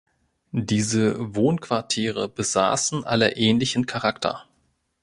Diese Wohnquartiere besaßen alle ähnlichen Charakter.